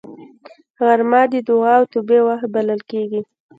غرمه د دعا او توبې وخت بلل کېږي